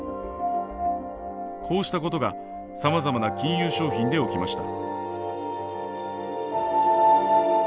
こうしたことがさまざまな金融商品で起きました。